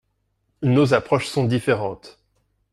Nos approches sont différentes.